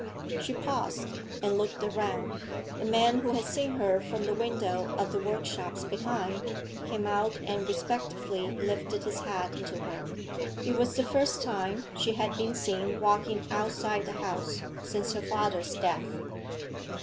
She paused, and looked around. A man who had seen her from the window of the workshops behind, came out and respectfully lifted his hat to her. It was the first time she had been seen walking outside the house since her father's death.